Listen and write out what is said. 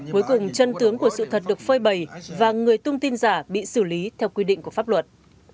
cuối cùng chân tướng của sự thật được phơi bầy và người tung tin giả bị xử lý theo quy định của pháp luật